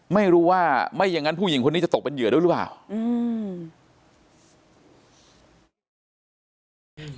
ไม่รู้ว่าไม่อย่างนั้นผู้หญิงคนนี้จะตกเป็นเหยื่อด้วยหรือเปล่าอืม